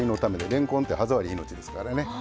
れんこんって歯触り命ですからね。